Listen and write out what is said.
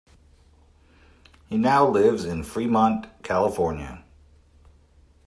He now lives in Fremont, California.